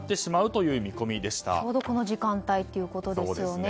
ちょうどこの時間帯ということですよね。